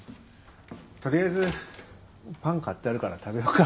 取りあえずパン買ってあるから食べようか。